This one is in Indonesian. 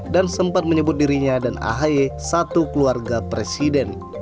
dan sempat menyebut dirinya dan ahy satu keluarga presiden